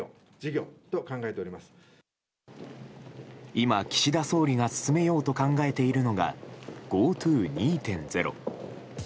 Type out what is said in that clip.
今、岸田総理が進めようと考えているのがＧｏＴｏ２．０。